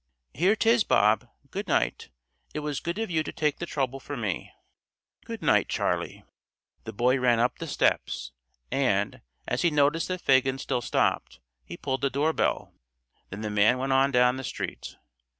"Here 'tis, Bob. Good night. It was good of you to take the trouble for me." "Good night, Charley." The boy ran up the steps, and, as he noticed that Fagin still stopped, he pulled the door bell. Then the man went on down the street.